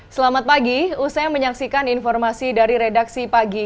selamat pagi usai menyaksikan informasi dari redaksi pagi